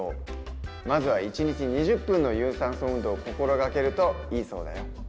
まずは１日２０分の有酸素運動を心がけるといいそうだよ。